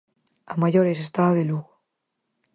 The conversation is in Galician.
A maiores está a de Lugo.